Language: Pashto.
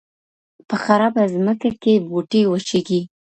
په خرابه ځمکه کې بوټی وچېږي.